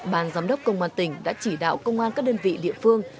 ban giám đốc công an tỉnh đã chỉ đạo công an các đơn vị địa phương